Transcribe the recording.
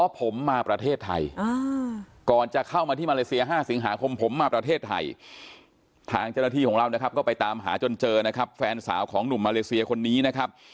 ผมมาประเทศไทยก่อนจะเข้ามาที่มาเลเซีย๕สิงหาคมผมมาประเทศไทยทางเจ้าหน้าที่ของเรานะครับก็ไปตามหาจนเจอนะครับแฟนสาวของหนุ่มมาเลเซียคนนี้นะครับ